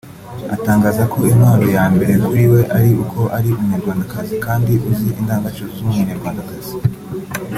atangaza ko intwaro ya mbere kuri we ari uko ari umunyarwandakazi kandi uzi indangagaciro z’umunyarwandakazi